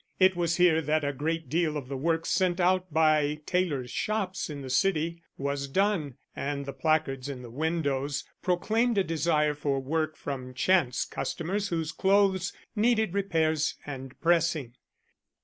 It was here that a great deal of the work sent out by tailors' shops in the City was done, and the placards in the windows proclaimed a desire for work from chance customers whose clothes needed repairs and pressing.